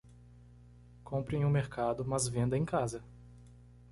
Compre em um mercado, mas venda em casa.